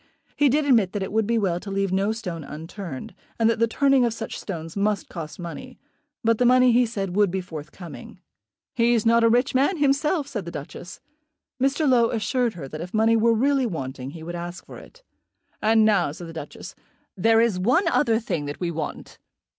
He did admit that it would be well to leave no stone unturned, and that the turning of such stones must cost money; but the money, he said, would be forthcoming. "He's not a rich man himself," said the Duchess. Mr. Low assured her that if money were really wanting he would ask for it. "And now," said the Duchess, "there is one other thing that we want.